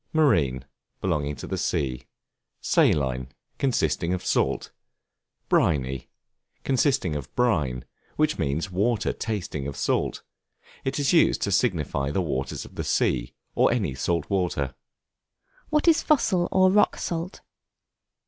Marine, belonging to the sea. Saline, consisting of salt. Briny, consisting of brine; which means water tasting of salt; it is used to signify the waters of the sea, or any salt water. What is Fossil or Rock Salt?